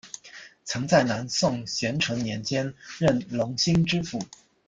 曾在南宋咸淳年间任隆兴知府。